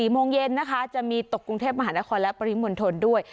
โมงเย็นนะคะจะมีตกกรุงเทพมหานครและปริมณฑลด้วย